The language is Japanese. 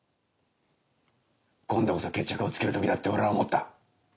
今度こそ決着をつけるときだって俺は思った。